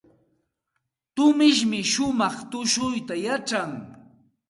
Tumishmi shumaq tushuyta yachan.